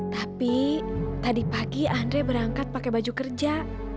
tapi tadi pagi andre berangkat pakai baju kerja